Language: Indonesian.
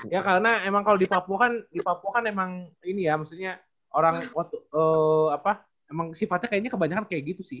ya karena emang kalau di papua kan di papua kan emang ini ya maksudnya orang apa emang sifatnya kayaknya kebanyakan kayak gitu sih